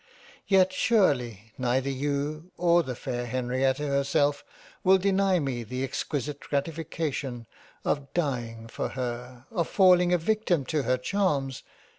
Yet surely neither you or the fair Henrietta herself will deny me the exquisite Gratification of dieing for her, of falling a victim to her Charms.